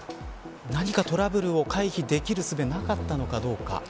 何かトラブルを回避できるすべなかったのかどうか。